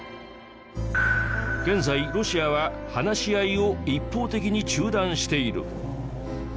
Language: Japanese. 現在ロシアは話し合いを一方的に中断している。